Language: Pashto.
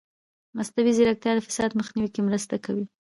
مصنوعي ځیرکتیا د فساد مخنیوي کې مرسته کوي.